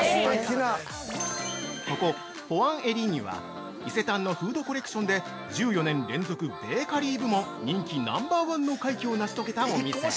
◆ここ、ポワン・エ・リーニュは伊勢丹のフードコレクションで１４年連続ベーカリー部門人気ナンバーワンの快挙を成し遂げたお店。